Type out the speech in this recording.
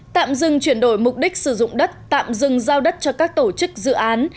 tạm dừng chuyển đổi mục đích sử dụng đất tạm dừng giao đất cho các tổ chức dự án